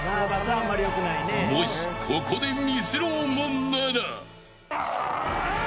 もし、ここでミスろうもんなら。